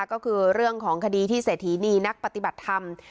ก็คือเรื่องของคดีที่เศรษฐีนีนักปฏิบัติธรรม